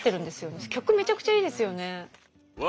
曲めちゃくちゃいいですよね。